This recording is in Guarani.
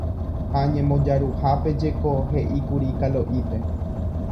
ha ñembojaruhápe jeko he'íkuri Kalo'ípe.